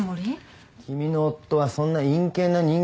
君の夫はそんな陰険な人間じゃないよ。